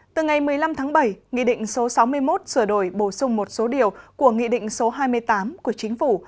từ ngày một mươi năm tháng bảy nghị định số sáu mươi một sửa đổi bổ sung một số điều của nghị định số hai mươi tám của chính phủ